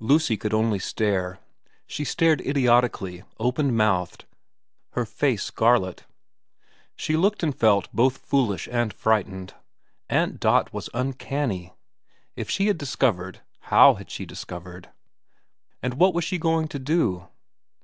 Lucy could only stare. She stared idiotically, open mouthed, her face scarlet. She looked and felt both foolish and frightened. Aunt Dot was uncanny. If she had discovered, how had she discovered ? And what was she going to do